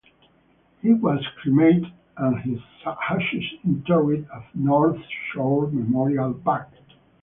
He was cremated and his ashes interred at North Shore Memorial Park.